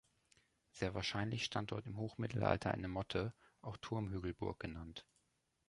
Sehr wahrscheinlich stand dort im Hochmittelalter eine Motte, auch Turmhügelburg genannt.